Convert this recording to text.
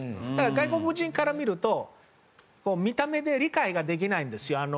だから外国人から見ると見た目で理解ができないんですよ。